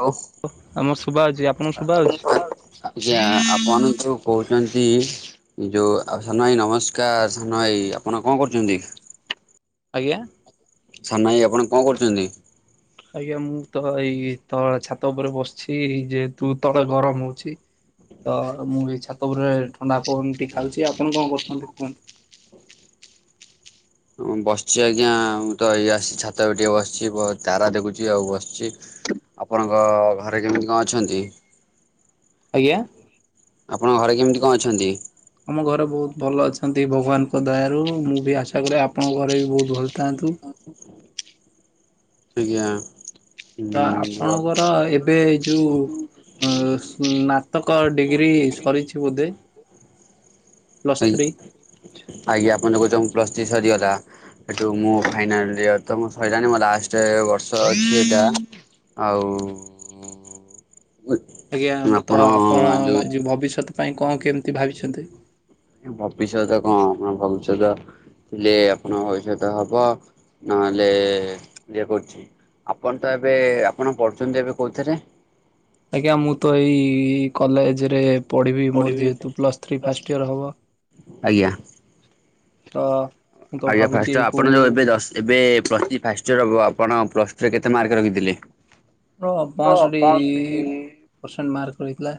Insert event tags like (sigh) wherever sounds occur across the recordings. ହ ଆ ଆମର ଶୁଭା ହଉଛି (unintelligible) ଆପଣଙ୍କୁ ଶୁଭା ହଉଛି? ମନୁଛୁ କହୁଛନ୍ତି। ଯୋଉ ସାନ ଭାଇ ନମସ୍କାର, ସାନ ଭାଇ ଆପଣ କଣ କରୁଛନ୍ତି? ଆଜ୍ଞା। ସନାଇ ଆପଣ କଣ କରୁଛନ୍ତି? ଆଜ୍ଞା, ମୁଁ ତ ଏଇ ତ ଛାତ ଉପରେ ବସିଛି, ଯେ ତୁ ତଳେ ଗରମ ହଉଛି, ତ ମୁଁ ଏଇ ଛାତ ଉପରେ ଥଣ୍ଡା। ପବନ ଟି ଖାଉଛି, ଆପଣ କଣ କରୁଛନ୍ତି? କୁହନ୍ତୁ। ମୁଁ ବସିଛି ଆଜ୍ଞା, ମୁଁ ତ ଏଇ ଆସିଛି ଛାତ ଉପରେ ଟିକେ ବସିଛି, ବହୁ ତାରା ଦେଖୁଛି ଆଉ ବସଛି। ଆପଣଙ୍କ ଘରେ କେମିତି କଣ ଅଛନ୍ତି? ଆଜ୍ଞା। ଆପଣଙ୍କ ଘରେ କେମିତି କଣ ଅଛନ୍ତି? ଆମ ଘରେ ବହୁତ ଭଲ ଅଛନ୍ତି, ଭଗବାନଙ୍କ ଦୟାରୁ ମୁଁ ବି ଆଶା କରେ, ଆପଣଙ୍କ ଘରେ ବି ବହୁତ ଭଲ। ଥାନ୍ତୁ। ଆଜ୍ଞା। ତ ହୁଁ ଆପଣଙ୍କର ଏବେ ଯୋଉ ଅ ସ୍ନାତକ ଡିଗ୍ରୀ। ସରିଛି ବୋଧେ। Plus three? ଆଜ୍ଞା, ଆଜ୍ଞା, ଆପଣ ଦେଖ କହୁଚ (unintelligible) ପ୍ଲସ୍ ଥ୍ରି ସରିଗଲା, ସେଠୁ ମୁଁ ଫାଇନାଲ। ଇୟର ତ ମୋ ସଇଲାଣି, ମୋ ଲାଷ୍ଟ ବର୍ଷ ଅଛି ଏଟା ଆଉ। ଉଁ। ଆଜ୍ଞା, ତ ଆପଣ ଯୋଉ ଯେ ଭବିଷ୍ୟତ ପାଇଁ କଣ କେମିତି ଭାବିଛନ୍ତି? ଭବିଷ୍ୟତ କଣ? ଭବିଷ୍ୟତ। ଥିଲେ, ଆପଣଙ୍କ ପଇସା ତ ହବ ନହେଲେ ଇଏ କରୁଛି। ଆପଣ ତ ଏବେ ଆପଣ ପଢୁଛନ୍ତି ଏବେ କୋଉଥିରେ? ଆଜ୍ଞା, ମୁଁ ତ ଏଇ କଲେଜ ରେ। ପଢ଼ିବି, ମୋର ଯେହେତୁ ପ୍ଲସ୍ ଥ୍ରୀ ଫାଷ୍ଟ ଇୟର ହବ। ଆଜ୍ଞା ଅ। ଆଜ୍ଞା, ଫାର୍ଷ୍ଟ ଆପଣ ଯୋଉ ଏବେ ଜସ ଏବେ ପ୍ଲସ ଥ୍ରି ଫାର୍ଷ୍ଟ ଇୟର ହବ, ଆପଣ ପ୍ଲ ରେ କେତେ ମାର୍କ ରଖିଥିଲେ? ମୋର ପଂଷଠି ପରସେଣ୍ଟ ମାର୍କ ରହିଥିଲା।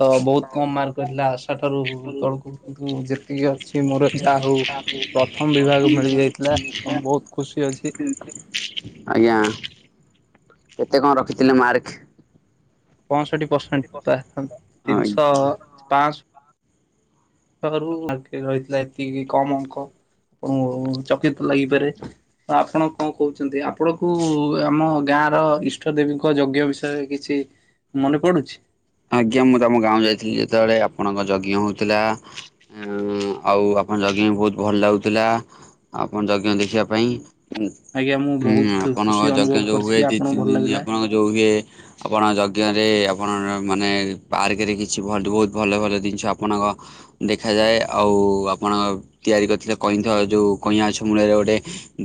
ତ ବହୁତ କମ ମାର୍କ ରହିଥିଲା ଆସା ଠାରୁ ବହୁ ତଳକୁ କିନ୍ତୁ ଯେତିକି ଆସଛି ମୋର ଯାହା ହଉ ପ୍ରଥମ ବିଭାଗ ମିଳିଯାଇଥିଲା ତ ମୁ ବହୁତ ଖୁସି ଅଛି। ଆଜ୍ଞା କେତେ କଣ ରଖିଥିଲେ ମାର୍କ। ପଂଷଠି ପର୍ଶେଣ୍ଟ ପା ତିନିଶହ ପାଂସ ରୁ ମାର୍କେ ରହିଥିଲା ଏତିକି କମ ଅଙ୍କ। ଆପଣଙ୍କୁ ଚକିତ ଲାଗିପାରେ ଆପଣ କହୁଛନ୍ତି ଆପଣ କୁ ଆମ ଗାଁ ଗାଁ ର ଇଷ୍ଟ ଦେବୀଙ୍କ ଯଜ୍ଞ ବିଷୟରେ କିଛି ମନେ ପଡୁଛି। ଆଜ୍ଞା ମୁଁ ତମ ଗାଁ କୁ ଯାଇଥିଲି ଯେତେବେଳେ ଆପଣଙ୍କ ଯଜ୍ଞ ହଉଥିଲା ଆଉ ଆପଣ ଯଜ୍ଞ ବି ବହୁତ ଭଲ ଲାଗୁଥିଲା ଆପଣ ଯଜ୍ଞ ଦେଖିବା ପାଇଁ। ହୁଁ ଆଜ୍ଞା ମୁଁ ହୁଁ ବହୁତ ଆପଣଙ୍କ ଖୁସି ଯଜ୍ଞ ଅନୁଭବ ଯୋଉ କରିଛି ହୁଏ କି ଦି ଆପଣଙ୍କୁ ତିନି ଭଲ ଦିନ ଲାଗିଲା ଆପଣଙ୍କ ଯୋଉ ହୁଏ ଆପଣଙ୍କ ଯ ଞରେ ଆପଣ ମାନେ ପାର୍କରେ କିଛି ଭଲ ବହୁତ ଭଲ ଭଲ ଜିନିଷ ଆପଣଙ୍କ ଦେଖାଯାଏ ଆଉ ଆ ଆପଣ ତିଆରି କରିଥିଲେ କଇଁଥ ଯେଉଁ କଇଁଆ ଗଛ ମୂଳରେ ଗୋଟେ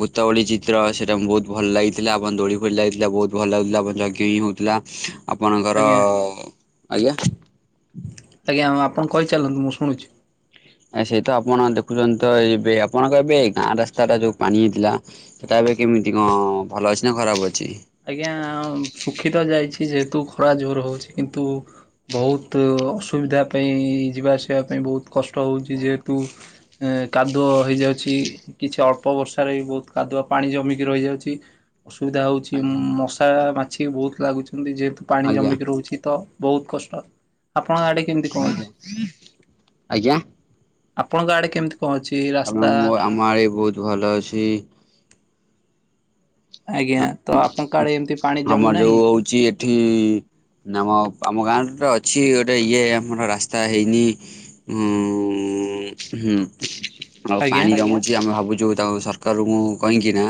ଗୋତାବଳି ଚିତ୍ର ସେଇଟା ମୁଁ ବହୁତ ଭ ଭଲ ଲାଗିଥିଲା ଆପଣ ଦୋଳି ଫୋଳି ଲାଗିଥିଲା ବହୁତ ଭଲ ଲାଗୁଥିଲା ଆପଣ ଯଜ୍ଞ ହି ହଉଥିଲା ଆପଣଙ୍କର ଆଜ୍ଞା ଆଜ୍ଞା ଆଜ୍ଞା ଆପଣ କହିଚଲନ୍ତୁ ମୁଁ ଶୁଣୁଛି। ଆ ସେଇ ତ ଆପଣ ଦେଖୁଛନ୍ତି ତ ଏବେ ଆପଣଙ୍କ ଏବେ ଗାଁ ରାସ୍ତା ଟା ଯୋଉ ପାଣି ହେଇଥିଲା ସେଟା ଏବେ କେମିତି କଣ ଭଲ ଅଛି ନା ଖରାପ ଅ ଆଜ୍ଞା ଶୁଖିତ ଯାଇଛି ଯେ ତୁ ଖରା ଜୋର ହଉଛି କିନ୍ତୁ ବହୁତୁ ଅସୁବିଧା ପାଇଁ ଯିବା ଆସିବା ପାଇଁ ବହୁତ କଷ୍ଟ ହଉଛି ଯେହେତୁ ଏଁ କାଦୁଅ ହେଇଯାଉଛି କିଛି ଅଳ୍ପ ବର୍ଷାରେ ବି ବହୁତ କାଦୁ ପାଣି ଜମିକି ରହିଯାଉଛି ଅସୁବିଧା ହଉ ଆଜ୍ଞା ମଶା ମାଛି ବହୁତ ଲାଗୁଛନ୍ତି ଯେହେତୁ ପାଣି ଆଜ୍ଞା। ଜମିକି ରହୁଛି ତ ବହୁତ କଷ୍ଟ ଆପଣଙ୍କ ଗାଡି କେମିତି କଣ ଅଛି? ଆଜ୍ଞା। ଆଜ୍ଞା ଆପଣଙ୍କ ଆଡେ କେମିତି କଣ ଅଛି ରାସ୍ତା ଆ ଆମାର ବହୁତ ଭଲ ଅଛି। ଆଜ୍ଞା ତ ଆପଣଙ୍କ ଆଡ଼େ ଏମିତି ପାଣି ଆମର ଯୋଉ ଜମୁନାହିଁ ହଉଛି ଏଠି ନମ ଆମ ଗାଁରେ ଅଛି ଗୋଟେ ଇଏ ଆମର ରାସ୍ତା ହେଇନି ହଁ ହୁଁ। ଆଉ ଆଜ୍ଞା। ପାଣି ଜମୁଛି ଆମେ ଭାବୁଛୁ ତା ସରକାର ମୁଁ କହିହିଁକିନା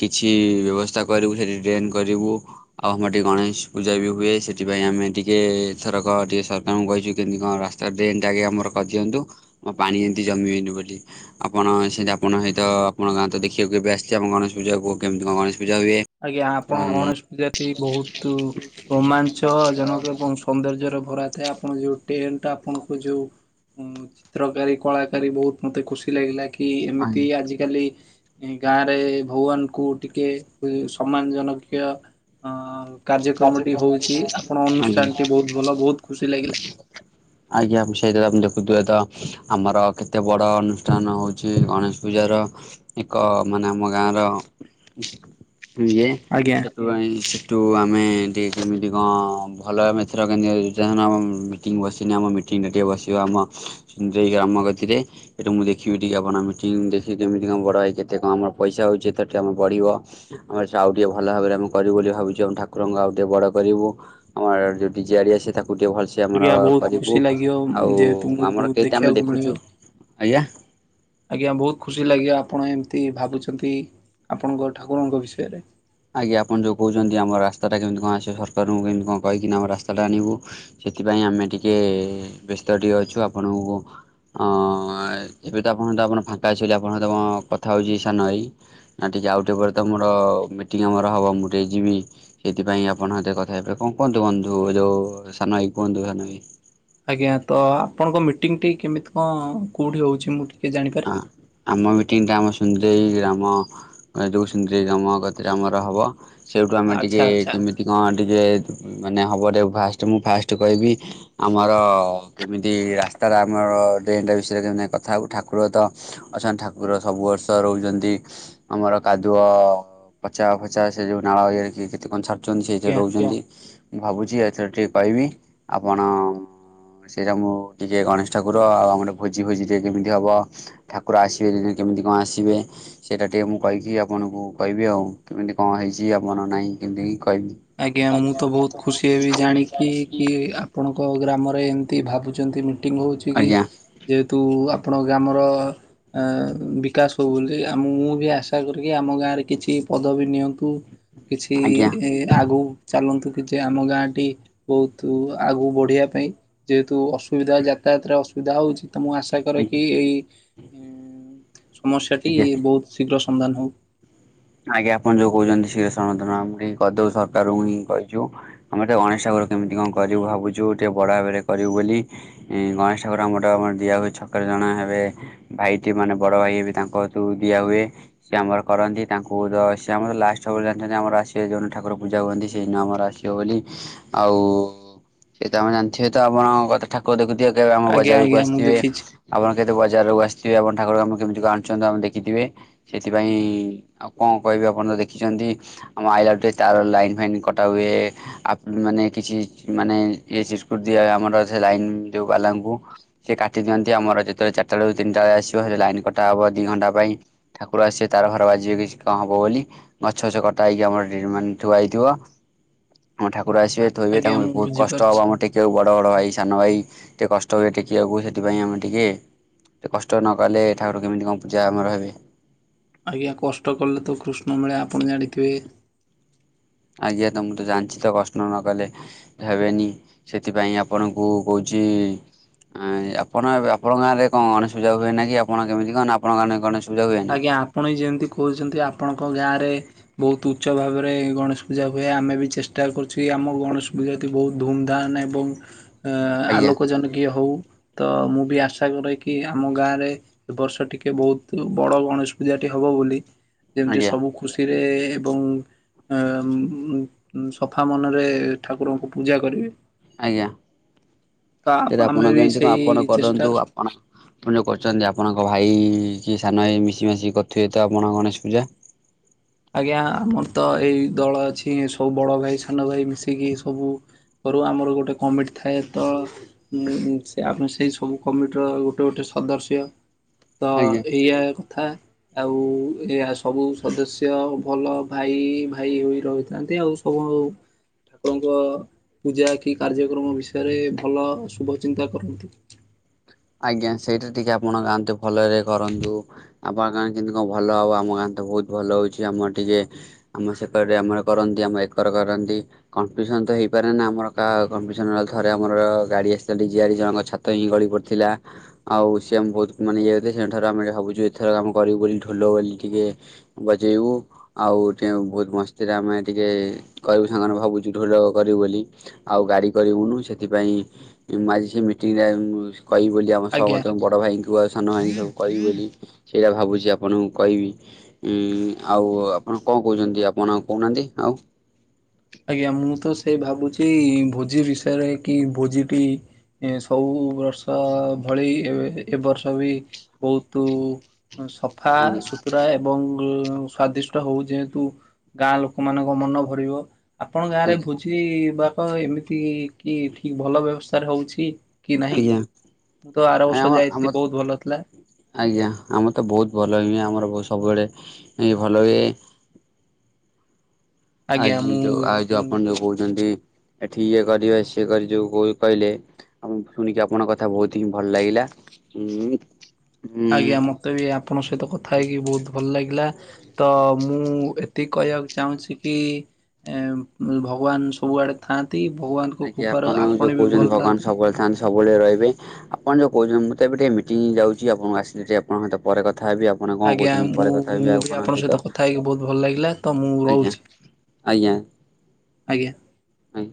କିଛି ବ୍ୟବସ୍ଥା କରିବୁ ସେଠି ଟ୍ରେନ୍ କରିବୁ ଆଉ ଆମର ଟିକି ଗଣେଶ ପୂଜା ବି ହୁଏ ସେଥିପାଇଁ ଆମେ ଟିକେ ଥରକ ଟିକେ ସରକାରଙ୍କୁ କହିଛୁ କେମିତି କଣ ରାସ୍ତା ଡ୍ରେନ ଟା ଆଗେ ଆମର କରିଦିଅନ୍ତୁ ଆମ ପାଣି ଏମିତି ଜମି ଏମତି ବୋଲି ଆପଣ ସେଇି ଆପଣ ସହିତ ଆପଣ ଗାଁ ତ ଦେଖକୁ କେବେ ଆସିୁ ଆଣ ଗଣେଶ ପୂଜା କହ କେମିତି କଣ ଗଣେଶ ପ ଆଜ୍ଞା ଆପଣଙ୍କ ଗଣେଶ ପୂଜା ବହୁତ ରୋମାଞ୍ଚ ଜନକ ଏବଂ ସୌନ୍ଦର୍ଯ୍ୟ ଭର େ ଆ ଆପଣ ଯୋଉ ଟେଣ୍ଟ ଆପଣଙ୍କ ଯୋଉ ଚିତ୍ରକାରୀ କଳାକାରୀ ବହୁତ ମତେ ଖୁସି ଲାଗିଲା କି କି ଏମିତି ଆଜିକାଲି ଗାଁରେ ଭଗବାନଙ୍କୁ ଟିକେ ସମ୍ମାନ ଜନକୀୟ ଅ କାର୍ଯ୍ୟକ୍ରମ ଟି ହଉଛି ଆପଣ ଅନୁଷ୍ଠାନ ଟି ବହୁତ ଭଲ ବହୁତ ଖୁସି ଲାଗିଲା। ସେଇଥିପ ଆମେ ଦେଖୁଥୁ ଏ ତ ଆମର କେତେ ବଡ଼ ଅନୁଷ୍ଠାନ ହେଉଛି ଗଣେଶ ପୂଜାର ଏକ ମାନେ ଆମ ଗାଁ ର ଇଏ ଆଜ୍ଞା ସେଠୁ ସେଠୁ ଆ ଆମେ ଟିକେ କେମିତି କଣ ଭଲ ଭମେଥର କେମିତି ମିଟିଙ୍ଗ ବସିନି ଆମ ମିଟିଂ ଟା ଟିକେ ବସିବ ଆମନ୍ଦ ଗ୍ରାମ ଗତିରେ ଏଟା ମୁଁ ଦେଖିବି ଟିକେ ଆପଣ ମିଟିଂ ଦେଖି ଯେମିତି କଣ ବଡଇ କେତେ କଣ ଆମର ପଇସାଉଛି ଆମ ବଢିବ ଆମ ଆଉ ଟିକେ ଭଲ ଭାବରେ ଆେ କରିବୁ ବୋଲି ଭୁ ାକୁ ଠାକୁରଙ୍ଗ ଆଉ ଟିକେ ବଡ଼ କରିବୁ ଆମର ଯଉଠି ଜିଆଡ଼ି ଆସେ ତାକୁ ଗୁଟେ ଭଲସେ ଆମର ଆଜ୍ଞା ବହୁତ ଖୁସି କରିବୁ ଲାଗିବ ଆଉ ଯେହେତୁ ମୁଁ ଆମର କେତ ଆମେ ଦେଖିବାକୁ ମିଳିବ। ଦେଖୁଛୁ ଆଜ୍ଞା ଆଜ୍ଞା ବହୁତ ଖୁସି ଲାଗିବ ଆପଣ ଏମିତି ଭାବୁଛନ୍ତି ଆପଣଙ୍କ ଠାକୁରଙ୍କ ବିଷୟରେ। ଆଜ୍ଞା ଆପଣ ଯୋଉ କହୁଛନ୍ତି ଆମ ରାସ୍ତା ଟା କେମିତି କଣ ଆସେ ସରକାରଙ୍କୁ କେମିତି କଣ କହିକି ଆମ ରାସ୍ତାଟା ଆଣିବୁ ସେଥିପାଇଁ ଆମେ ଟିକେ ବ୍ୟସ୍ତ ଟିକେ ଅଛୁ ଆପଣଙ୍କୁ ହଁ ଏବେ ତ ଆପଣଙ୍କ ଆପଣ ଫାଙ୍କା ଆସଛନ୍ତି ଆପଣଙ୍କ କଥା ହଉଛି ସ ନଇ ନକ ଯେ ଆଉ ଟିକେ ପରେ ତମର ମି ଟିଙ୍ଗ ଆମର ହବ ମୁଁ ଟିକେ ଯିବି ସେଥିପାଇଁ ଆପଣଙ୍କ ସହିତ କଥା ହେଇପଡେ କଣ କୁହନ୍ତୁ ବନ୍ଧୁ ଯୋଉ ସାନ ଭାଇ ବନ୍ଧୁ ସାନଭାଇ। ଆଜ୍ଞା ତ ଆପଣଙ୍କ ମିଟିଂ ଟି କେମିତି କଣ କୋଉଠି ହୋଉଚି ମୁଁ ଟି ହଁ ଆମ ମି ଟିଙ୍ଗଟା ଆମ ସୁନ୍ଦରେଇ ଗ୍ରାମ ଏ ଯୋଉ ସୁନ୍ଦରେଇ ଗ୍ରାମ କତିରେ ଆମର ହବ। ସେଇଠୁ ଆମେ ଟିକେ ଆଚ୍ଛା ଆଚ୍ଛା କେମିତି କଣ ଟିକେ ମାନେ ହବ ଟିକେ ଫାଷ୍ଟେ ମୁଁ ଫାଷ୍ଟେ କହିବି ଆମର କେମିତି ରାସ୍ ତାର ଆମର ଡ୍ରେନଟା ବିଷୟରେ ମାନେ କଥା ହୋବୁ ଠାକୁ ଠାକୁର ତ ଅଛନ୍ତି ଠାକୁର ସବୁ ବର୍ଷ ରହୁଚନ୍ତି ଆମର କାଦୁଅ ପଚା ଫଚା ସେଇ ଯୋଉ ନାଳ ଦିହରେ କିଏ କେତେ କଣ ଛାଡୁଚନ୍ତି ସେଇଥିରେ ଆଜ୍ଞା। ରହୁଚନ୍ତି। ମୁଁ ଭାବୁଚି ଏଥରେ ଟିକେ କହିମି ଆପଣ ଅଁ ସେଇଟା ମୋ ଟିକେ ଗଣେଶ ଠାକୁର ଆଉ ଆମର ଭୋଜି ଫୋଜି ଟିକେ କେମିତି ହବ? ଠାକୁର ଆସିବେ ଦିନେ କେମିତି କଣ ଆସିବେ ସେଇଟା ଟିକେ ମୁଁ କହିକି ଆପଣଙ୍କୁ କହିବି ଆଉ କେମି କଣ ହେଇଚି ଆପଣ ନାହିଁ କି ନେଇ ଆଜ୍ଞା ମୁଁ ତ ବୋହୁତ ଖୁସି ହେବି ଜାଣିକି କି ଆପଣଙ୍କ ଗ୍ରାମ ର ଏମତି ଭାବୁଚନ୍ତି ମିଟିଂ ହୋଉଛି କି ଆଜ୍ଞା ଯେହେତୁ ଆ ଆପଣଙ୍କ ଗ୍ରାମର ଅ-ବିକାଶ ହୋଉ ବୋଲି ଆ ମୁଁ ବି ଆଶା କରିକି ଆମ ଗାଁରେ କିଛି ପଦବୀ ନିଅନ୍ତୁ କିଛି ଆଜ୍ଞା ଏ ଆଗକୁ ଚାଲନ୍ତୁ କିଛି ଆମ ଗାଁଟି ବୋହୁତ ଆଗକୁ ବଢିବା ପାଇଁ ଯେହେତୁ ଅସୁବିଧା ଯା ଯାତାୟାତରେ ଅସୁବିଧା ହୋଉଚି। ତ ମୁଁ ଆଶା କରେ କି ଏଇ ଇଁ-ସମସ୍ୟାଟି ଆଜ୍ଞା ବୋହୁତ ଶୀଘ୍ର ସ ସନ୍ଧାନ ହୋଉ। ଆଜ୍ଞା ଆପଣ ଯୋଉ କୋହୁଚନ୍ତି ସେଇଟା ସମାଧାନ ଆମେ କରିଦୋବୁ ସରକାରଙ୍କୁ ହିଁ କହିଚି ଆମେ ଗୋଟେ ଗଣେଶ ଠାକୁ ତ କେମିତି କଣ କରିବୁ ଭାବୁଚୁ ଟିକେ ବଡ ଭାବରେ କରିବୁ ବୋଲି ଇଁ-ଗଣେଶ ଠାକୁର ଆମଟା ଦିଆ ହୁଏ ଛକା ଜଣେ ହେବେ ଭାଇଟି ମାନେ ବଡ ଭାଇ ହେବେ ତାଙ୍କ ହାତକୁ ଦିଆହୁଏ ସିଏ ଆମର କରନ୍ତି। ତାଙ୍କୁ ଧ-ସିଏ ଆମର ଲାଷ୍ଟ ସବୁବେଳେ ଜାଣଛନ୍ତି ଆମର ଆସିବେ ଯୋଉଦିନ ଠାକୁର ପୂଜା ହୁଅନ୍ତି ସେହିଦିନ ଆମର ଆସିବ ବୋଲି ଆଉ ଏ ତ ଆମେ ଜାଣିଥିବେ ତ ଆପଣ କଥା ଠାକୁର ଦେଖୁଥିବେ କେବେ ଆମ ଆଜ୍ଞା ବଜାରକୁ ଆଜ୍ଞା ମୁଁ ଆସିଥିବେ ଦେଖିଛି ଆପଣ କେ ତେ ବଜାରକୁ ଆସିଥିବେ ଆପଣ ଠାକୁରଙ୍କୁ କେମିତି କଣ ଆଣୁଚନ୍ତି ଆପଣ ଦେଖିଥିବେ ସେଥିପାଇଁ ଆଉ କଣ କହିବି ଆପଣ ତ ଦେଖିଚନ୍ତି ଆମ ଆଇବେଳେ ଟିକେ ତାର ଲାଇନ ଫାଇନ୍ କଟାହୁଏ ଆପ୍-ମାନ୍ ନାଇଁ କିଛି ମାନେ ଇଏ ସିସକୁଟ ଦିଆ ଆମର ସେ ଲାଇନ ଯୋଉ ବାଲାଙ୍କୁ ସେ କାଟି ଦିଅନ୍ତି ଆ ଆମର ଯେତେବେଳେ ଚାରଟାରୁ ତିନିଟା ଯାଏ ଆସିବ ସେ ଲାଇନ କଟାହବ ଦି ଘଣ୍ଟା ପାଇଁ ଠାକୁର ଆସିବେ ତାର ଫାର ବାଜିବ କିଛି କଣ ହବ ବୋଲି ଗଛ ଫଛ କଟା ହେଇକି ଆମର ଏଠି ମାନେ ଥୁଆ ହେଇଥିବ ଆମ ଠା କୁରା ଆସିବେ ଆ- ଥୋଇବେ ଆଜ୍ଞା ତାଙ୍କୁ ମୁଁ ବୋହୁତ କଷ୍ଟ ବୁଝିପାରୁଛି। ହବ ଆମର ଟେକିବାକୁ ବଡ଼ ବଡ଼ ଭାଇ ସ୍ ସାନ ଭାଇ ଟିକେ କଷ୍ଟ ହୁଏ ଟେକିବାକୁ ସେଥିପାଇଁ ଆମେ ଟିକେ ଟିକେ କଷ୍ଟ ନକଲେ ଠାକୁର କେମିତି କଣ ପୂଜା ଆମର ହେବେ। ଆଜ୍ଞା କଷ୍ଟ କଲେ ତ କୃଷ୍ଣ ମିଳେ ଆପଣ ଜାଣିଥିବେ। ଆଜ୍ଞା ତ ମୁଁ ତ ଜାଣିଚି ତ କଷ୍ଟ ନକଲେ ହେବେନି ସେଥିପାଇଁ ଆପଣଙ୍କୁ କୋହୁଚି ଇ ଆଁ ଆପଣ ଏବେ ଆପଣଙ୍କ ଗାଁରେ କଣ ଗଣେଶ ପୂଜା ହୁଏନା କି ଆପଣ କେମିତି କଣ ନା ଆପଣମାନେ ଗଣେଶ୍ ପୂଜା ହୁଏ ଆଜ୍ଞା ଆପଣ ବି ଯେମତି କୋହୁଚନ୍ତି ଆପଣଙ୍କ ଗାଁରେ ବୋହୁତ ଉଚ୍ଚ ଭାବରେ ଗଣେଶ ପୂଜା ହୁଏ ଆମେ ବି ଚେଷ୍ଟା କରୁଚୁ କି ଆମ ଗଣେଶ ପୂଜା ତି ବୋହୁତ ଧୁମଧାମ୍ ଏବଂ ଆଜ୍ଞା ଆ-ଆଲୋକ ଜନକୀୟ ହୋଉ। ତ ମୁଁ ବି ଆଶା କରେ କି ଆମ ଗାଁରେ ଏବର୍ଷ ଟିକେ ବୋହୁତୁ ବଡ ଗଣେଶ ପୂଜାଟି ହବ ବୋଲି ଯେମତି ଆଜ୍ଞା ସବୁ ଖୁସିରେ ଏବଂ ଏ-ଉମ୍-ଉମ୍-ସଫା ମନରେ ଠାକୁରଙ୍କୁ ପୂଜା କରିବେ। ଆଜ୍ଞା। ତ ସେଇଟା ଆମେ ଆପଣ ବି କେମିତି କଣ ସେଇ ଆପଣ ଚେଷ୍ଟା କରନ୍ତୁ ଆପଣ ଆପଣ ଯୋଉ କରୁଚନ୍ତି ଆପଣଙ୍କ ଭା ଭାଇ କି ସାନ ଭାଇ ମିଶି ମାଶିକି କରୁଥିବେ ତ ଆପଣ ଗଣେଶ ପୂଜା? ଆଜ୍ଞା ଆମର ତ ଏଇ ଦଳ ଅଛି ସବୁ ବଡ ଭାଇ ସାନ ଭାଇ ମିଶିକି ସବୁ ଘରୁ ଆମର ଗୋଟେ କମିଟ ଥାଏ ତ ମୁଁ ସେ ଆମ ସେଇ ସବୁ କମିଟିର ଗୋଟେ ଗୋଟେ ସଦସ୍ୟ । ତ ଆଜ୍ଞା। ଏଇଆ କଥା ଆଉ ଏଇଆ ସବୁ ସଦସ୍ୟ ଯାହା ହେଉ ଭଲ ଭାଇ ଭାଇ ହୋଇ ରହିଥାନ୍ତି ଆଉ ସବୁ ଠାକୁରଙ୍କ ପୂଜା କି କାର୍ଯ୍ୟକ୍ରମ ବିଷୟରେ ଭଲ ଶୁଭ ଚିନ୍ତା କରନ୍ତି । ଆଜ୍ଞା ସେଇଟା ଟିକେ ଆପଣ ଗାଆନ୍ତୁ ଭଲରେ କରନ୍ତୁ ଆପଣଙ୍କ ଗାଁରେ କେମତି କଣ ଭଲ ହବ ଆମ ଗାଁ ବହୁତ ଭଲ ହଉଛି ଆମର ଟିକେ ଆମ ସେକଡରେ ଆମର କରନ୍ତି ଆମ ଏକର କରନ୍ତି କପିଟିସନ କପିଟିସନ ହେଇପାରେ ନା ଆମର କାହା କପିଟିସନ ଥରେ ଆମର ଗାଡି ଅକ୍ସିଡେନ୍ଟ ହେଇ ଜଣଙ୍କ ଛାତ ହିଁ ଗଳିପ ଥିଲା ଆଉ ସିଏ ଆମ୍ ବହୁତ ମାନେ ଇଏ ହେବେ ସେଦିନଠାରୁ ଆମେ ଭାବୁଚୁ ଏଥର କାମ କରିବୁ ବୋଲି ଢୋଲ ବୋଲି ଟିକେ ଟିକେ ବଜେଇବୁ ଆଉ ଟିକେ ବହୁତ ମସ୍ତିରେ ଆମେ ଟିକେ କରିବୁ ସାଙ୍ଗମାନେ ଭାବୁଚୁ ଢୋ କରିବୁ ବୋଲି ଆଉ ଗାଡ଼ି କରିବୁନୁ ସେଥିପାଇଁ ମୁଁ ଆଜି ସେ ମିଟିଂଟା ଆଁ ଉଁ କହିବୁ ବୋଲି ଆମ ଆଜ୍ଞା। ସମସ୍ତଙ୍କ ବଡ଼ ଭାଇଙ୍କୁ ଆଉ ସାନ ଭାଇଙ୍କୁ ସବୁ । କହିବି ବୋଲି ସେୟା ଭାବୁଚି ଆପଣଙ୍କୁ କହିବି ଉଁ ଉଁ ଆଉ ଆପଣ କଣ କହୁଛନ୍ତି? ଆପ୍ କଣ ଆଉ କହୁନାହାନ୍ତି ଆଉ । ଆଜ୍ଞା ମୁଁ ତ ସେଇ ଭାବୁଛି ଭୋଜି ବିଷୟରେ କି ଭୋଜିଟି ଉଁ ସବୁ ବର୍ଷ ଭଳି ଏବେ ଏବର୍ଷ ବି ବହୁତୁ ସଫା ଆଜ୍ଞା ସୁତୁରା ଏବଂ ଆଁ ସ୍ଵାଦିଷ୍ଟ ହଉ ଯେହେତୁ ଗାଁ ଲୋକମାନଙ୍କ ମନ ଭରିବ । ଆପଣଙ୍କ ଗାଁ ରେ ଭୋଜି ବାକ ଏମିତି କି ଠିକ ଭଲ ବ୍ୟବସ୍ଥାରେ ହଉଛି। କି ନାହିଁ । ଆଁ ଆମ ଆମ ଆଜ୍ଞା ଆମର ତ ବହୁତ ଭଲ ହିଁ ହୁଏ ଆମର ସବୁ ସବୁବେଳେ ହିଁ ଭଲ ହୁଏ । ଆଜ୍ଞା ଆଜି ଯୋଉ ଆଉ ଯୋଉ ମୁଁ ଆପଣ ଯୋଉ କହୁଛନ୍ତି ଏଠି ଇଏ କରିବେ ସିଏ କରି ଯୋଉ କଉ କହିଲେ ଆ ଶୁଣିକି ଆପଣଙ୍କ କଥା ବହୁତ ହିଁ ଭଲ ଲାଗିଲା। ହୁଁ। ଆଜ୍ଞା ମତେ ବି ଆପଣଙ୍କ ସହିତ କଥା ହେଇକି ବହୁତ ଭଲ ଲାଗିଲା ତ ମୁଁ ଏତେ ତି କହିବାକୁ ଚାହୁଁଛି କି ଭଗବାନ ଇ ସବୁଆଡ଼େ ଥାନ୍ତ ଆଜ୍ଞା ଆପଣ ଯୋଉ କହୁଛନ୍ତି ଭଗବାନ ଥାଆନ୍ତୁ। ସବୁବେଳେ ଥାନ୍ତି ସବୁବେଳେ ରହିବେ। ପାଇଁ ଆପଣ ଯୋଉ କହୁଛନ୍ତି ମୁଁ ତ ଏବେ ଟିକେ ମିଟିଂ ଯାଉଛି ଆପଣଙ୍କୁ ଆସିଲେ ଟିକେ ଆପଣଙ୍କ ସହ ପରେ କଥା ହେବି। କଥା ହେବି ଆପଣ କଣ ଆଜ୍ଞା କହୁଛନ୍ତି ମୁଁ ପରେ କଥା ହେବି ମୁଁ ଆଉ ବି ଆପଣଙ୍କ ସହିତ କଥା ହେଇକି ବହୁତ ଭଲ ଲାଗିଲା ତ ମୁଁ ଆଜ୍ଞା। ରହୁଛି ଆଜ୍ଞା। ଆଜ୍ଞା। ଆଜ୍ଞା।